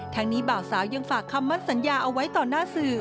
ทั้งนี้บ่าวสาวยังฝากคำมั่นสัญญาเอาไว้ต่อหน้าสื่อ